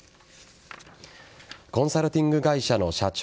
コンサルティング会社の社長